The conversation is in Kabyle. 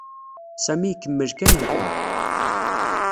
Sami ikemmel kan yeqqar.